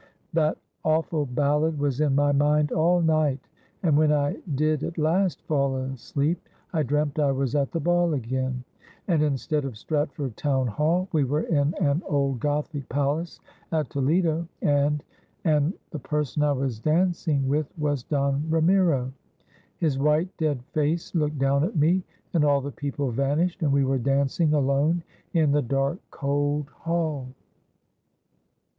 That awful ballad was in my mind all night, and when I did at last fall asleep, I dreamt I was at the ball again, and instead of Stratford Town Hall we were in an old Gothic palace at Toledo and — and — ttie person I was dancing with was Don Kamiro. His white dead face looked down at me, and all the people vanished, and we were dancing alone in the dark cold hall.'